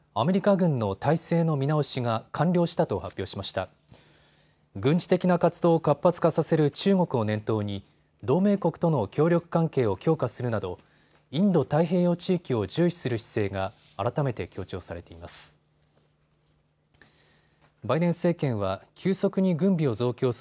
軍事的な活動を活発化させる中国を念頭に同盟国との協力関係を強化するなどインド太平洋地域を重視する姿勢が改めて強調されています。